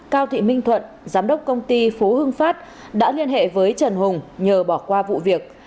cao thị minh thuận giám đốc công ty phố hưng phát đã liên hệ với trần hùng nhờ bỏ qua vụ việc